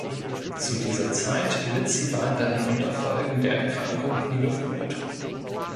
Zu dieser Zeit litt sie weiterhin unter Folgen der Erkrankung wie Luftnot.